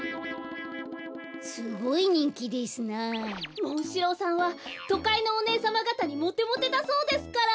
モンシローさんはとかいのおねえさまがたにモテモテだそうですから。